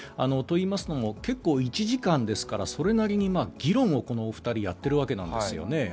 といいますのも、１時間ですからそれなりに議論をこのお二人はやっているわけなんですね。